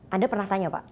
anda pernah tanya pak